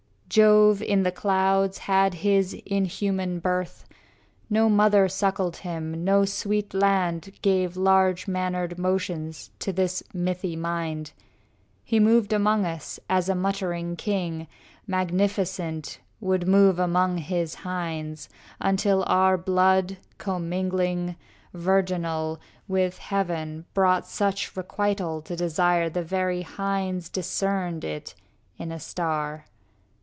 III Jove in the clouds had his inhuman birth. No mother suckled him, no sweet land gave Large mannered motions to his mythy mind. He moved among us, as a muttering king, Magnificent, would move among his hinds, Until our blood, commingling, virginal, With heaven, brought such requital to desire The very hinds discerned it, in a star.